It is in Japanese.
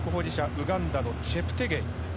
ウガンダのチェプテゲイ。